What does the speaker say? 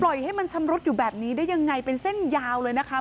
ให้มันชำรุดอยู่แบบนี้ได้ยังไงเป็นเส้นยาวเลยนะคะ